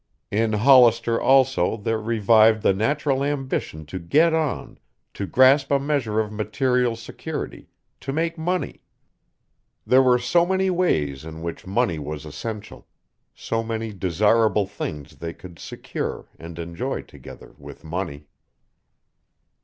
In Hollister, also, there revived the natural ambition to get on, to grasp a measure of material security, to make money. There were so many ways in which money was essential, so many desirable things they could secure and enjoy together with money.